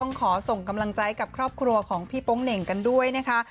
ขอส่งกำลังใจกับครอบครัวของพี่โป๊งเหน่งกันด้วยนะคะ